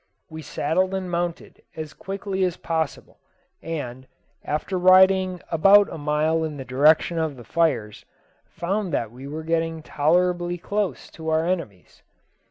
We saddled and mounted as quickly as possible, and, after riding about a mile in the direction of the fires, found that we were getting tolerably close to our enemies.